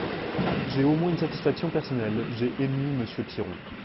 J’ai au moins une satisfaction personnelle : j’ai ému Monsieur Piron.